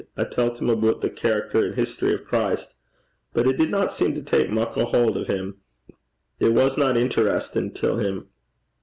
I tellt him aboot the character and history o' Christ. But it didna seem to tak muckle hauld o' him. It wasna interesstin' till him.